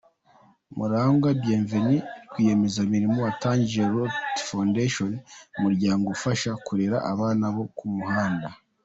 Murangwa Bienvenue: Rwiyemezamirimo watangije Root Foundation, umuryango ufasha kurera abana bo ku muhanda.